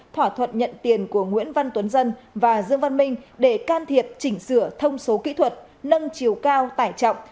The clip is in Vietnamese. thỏa thuận nhận tiền của nguyễn văn tuấn dân và dương văn minh để can thiệp chỉnh sửa thông số kỹ thuật nâng chiều cao tải trọng